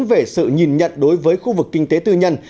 về sự nhìn nhận đối với khu vực kinh tế tư nhân